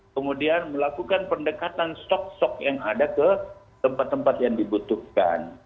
kemudian melakukan pendekatan stok stok yang ada ke tempat tempat yang dibutuhkan